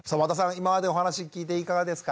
今までお話聞いていかがですか？